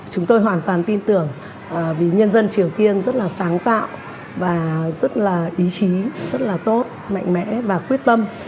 chúng tôi hoàn toàn tin tưởng vì nhân dân triều tiên rất là sáng tạo và rất là ý chí rất là tốt mạnh mẽ và quyết tâm